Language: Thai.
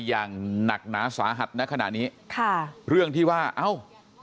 อย่างหนักหนาสาหัสนะขณะนี้ค่ะเรื่องที่ว่าเอ้า